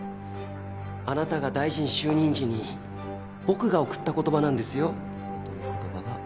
あなたが大臣就任時に僕が贈った言葉なんですよ。